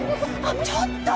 ちょっと！